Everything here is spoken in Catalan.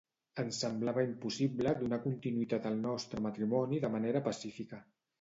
Ens semblava impossible donar continuïtat al nostre matrimoni de manera pacífica.